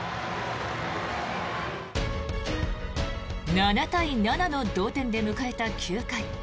７対７の同点で迎えた９回。